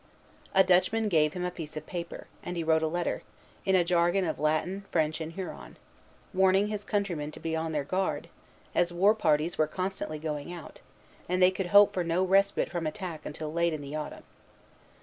A Dutchman gave him a piece of paper; and he wrote a letter, in a jargon of Latin, French, and Huron, warning his countrymen to be on their guard, as war parties were constantly going out, and they could hope for no respite from attack until late in the autumn.